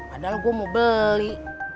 padahal gua mau beli